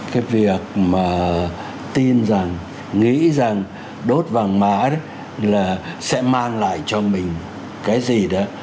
cái việc mà tin rằng nghĩ rằng đốt vàng mã sẽ mang lại cho mình cái gì đó